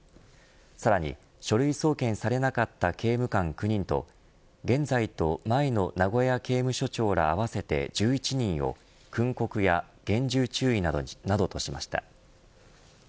さらに書類送検されなかった刑務官９人と現在と前の名古屋刑務所長ら合わせて１１人を訓告や厳重注意などにしました。